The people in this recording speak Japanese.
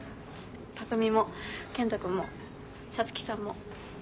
匠も健人君も皐月さんも。